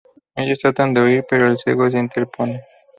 Ellos tratan de huir pero el ciego se interpone.